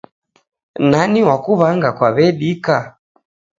Nani w'akuw'anga kwawedika?